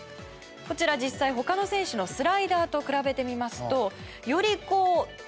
こちら実際他の選手のスライダーと比べてみますとよりこうわかりますかね？